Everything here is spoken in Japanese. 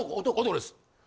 男です。